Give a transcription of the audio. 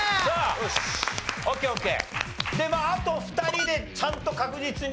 であと２人でちゃんと確実にね